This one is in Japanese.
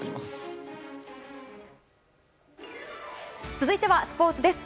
続いてはスポーツです。